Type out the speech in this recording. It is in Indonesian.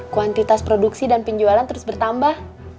kuantitas produksi dan penjualan terus bertambah